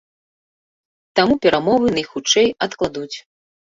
Таму перамовы найхутчэй адкладуць.